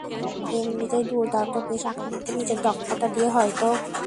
এমনিতেই দুর্দান্ত পেস আক্রমণকে নিজের দক্ষতা দিয়ে হয়তো আরও শাণিত করবেন ডোনাল্ড।